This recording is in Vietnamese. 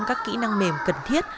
các kỹ năng mềm cần thiết